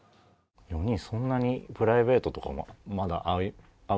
４人そんなにプライベートとかもまだ会うんですか？